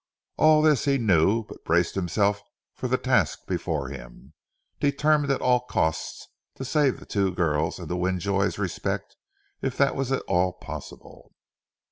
All this he knew, but braced himself for the task before him, determined at all costs to save the two girls and to win Joy's respect if that was at all possible.